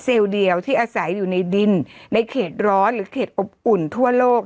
เดียวที่อาศัยอยู่ในดินในเขตร้อนหรือเขตอบอุ่นทั่วโลก